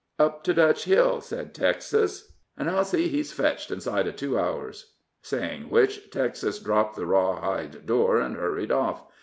"Up to Dutch Hill," said Texas; "an' I'll see he's fetched inside of two hours." Saying which, Texas dropped the raw hide door, and hurried off.